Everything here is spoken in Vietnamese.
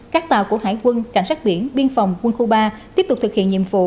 các tàu của hải quân cảnh sát biển biên phòng quân khu ba tiếp tục thực hiện nhiệm vụ